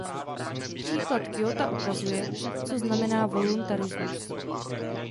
Příklad Kjóta ukazuje, co znamená voluntarismus.